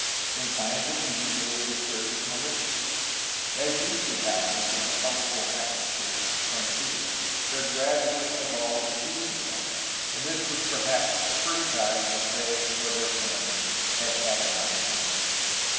In times of need they were to serve as mihtia. As usually happens in the healthful atmosphere of the frontier, there gradually evolved a decent element ; it was perhaps the first time that they or their families had had an opportunity.